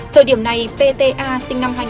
thời điểm này pta sinh ra